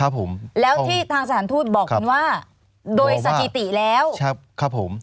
แล้วที่ทางสถานทูตบอกว่าโดยสถิติแล้ว